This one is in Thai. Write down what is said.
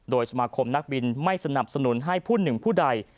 โดยสมาคมนักบินไม่สนับสนุนให้ผู้หนึ่งผู้ใด